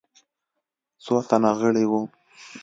څو تنه غړي وه.